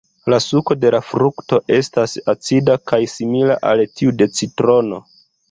La suko de la frukto estas acida kaj simila al tiu de citrono.